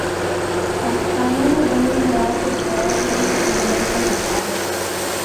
پاکستانیوں نے جنگلی حیات کا صفایا کرنے کا تہیہ کر رکھا ہے